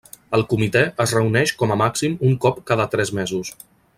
El Comitè es reuneix com a màxim un cop cada tres mesos.